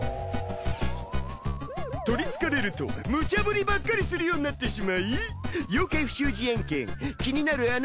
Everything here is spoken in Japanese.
とりつかれると無茶ぶりばっかりするようになってしまい妖怪不祥事案件気になる